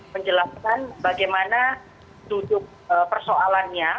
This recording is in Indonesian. menjelaskan bagaimana duduk persoalannya